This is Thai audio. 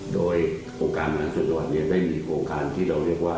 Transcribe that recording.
โดยองค์การบรรทัดส่วนด่วนเนี่ยได้มีองค์การที่เราเรียกว่า